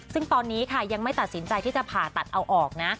ซึ่งตอนนี้ค่ะยังไม่ตัดสินใจที่จะผ่าตัดเอาออกนะ